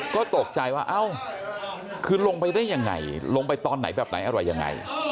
ก็ตกใจว่าเอ้าคือลงไปได้ยังไงลงไปตอนไหนแบบไหนอะไรยังไง